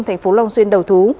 thành phố long xuyên đầu thú